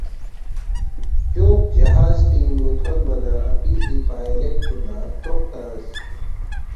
چوق جہاز پِنگ نُو تھونما نہ اپی سی پائلیٹ پو لہ تروق تنگس